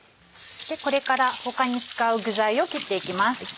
これから他に使う具材を切っていきます。